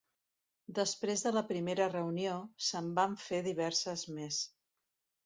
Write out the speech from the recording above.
Després de la primera reunió, se'n van fer diverses més.